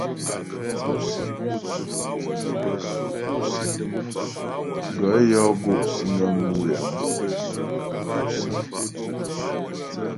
Gaə̂ yɔ́ gó' nə mú yəŋ.